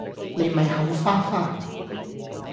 你咪口花花